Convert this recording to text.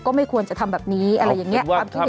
ไม่ควรจะทำแบบนี้อะไรอย่างนี้